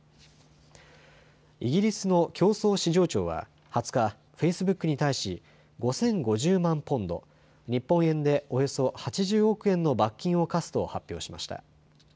イギリスの競争・市場庁は２０日、フェイスブックに対し５０５０万ポンド、日本円でおよそ８０億円の罰金を科すと発表しました。